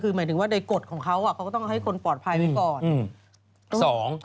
คือหมายถึงว่าในกฎของเขาเขาก็ต้องให้คนปลอดภัยไว้ก่อน